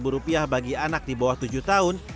rp tiga ratus bagi anak di bawah tujuh tahun